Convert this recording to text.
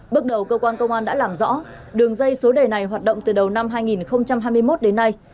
bước đầu cơ quan công an đã làm rõ đường dây số đề này hoạt động từ đầu năm hai nghìn hai mươi một đến nay